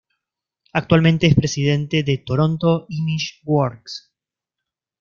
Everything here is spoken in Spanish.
Actualmente es presidente de Toronto Image Works.